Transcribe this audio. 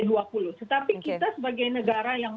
tetapi kita sebagai negara yang